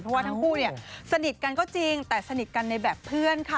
เพราะว่าทั้งคู่เนี่ยสนิทกันก็จริงแต่สนิทกันในแบบเพื่อนค่ะ